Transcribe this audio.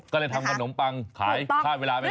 ก็เลยทำขนมปังขายข้าวเวลาไปก่อน